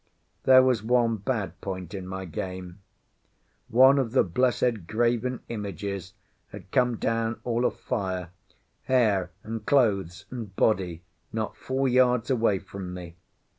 There was one bad point in my game. One of the blessed graven images had come down all afire, hair and clothes and body, not four yards away from me.